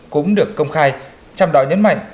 cũng được công khai trong đó nhấn mạnh